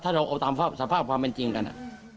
เราเอาตามสภาพความเป็นจริงกันอะ